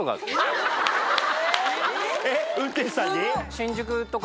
えっ運転手さんに？